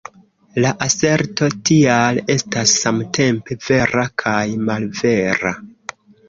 La aserto tial estas samtempe vera kaj malvera”.